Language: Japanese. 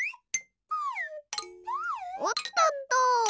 おっとっと！